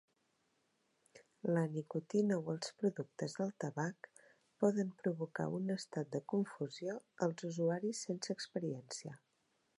La nicotina o els productes del tabac poden provocar un estat de confusió als usuaris sense experiència.